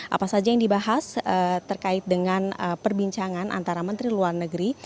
apa saja yang dibahas terkait dengan perbincangan antara menteri luar negeri